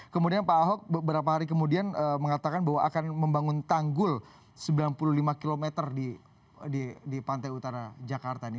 kemudian pak ahok beberapa hari kemudian mengatakan bahwa akan membangun tanggul sembilan puluh lima km di pantai utara jakarta ini